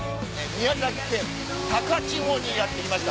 宮崎県高千穂にやって来ました。